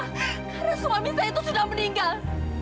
karena suami saya itu sudah meninggal